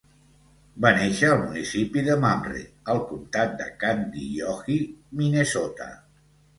Va néixer al municipi de Mamre, al comtat de Kandiyohi, Minnesota.